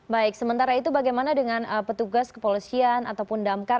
baik sementara itu bagaimana dengan petugas kepolisian ataupun damkar